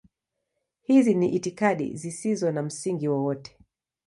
Hizi ni itikadi zisizo na msingi wowote.